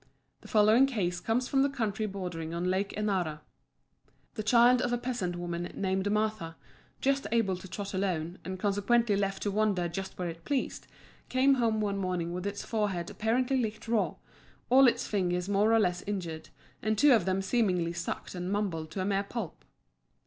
The following case comes from the country bordering on Lake Enara. The child of a peasant woman named Martha, just able to trot alone, and consequently left to wander just where it pleased, came home one morning with its forehead apparently licked raw, all its fingers more or less injured, and two of them seemingly sucked and mumbled to a mere pulp.